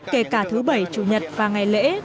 kể cả thứ bảy chủ nhật và ngày lễ